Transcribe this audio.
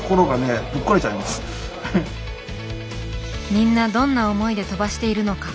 みんなどんな思いで飛ばしているのか。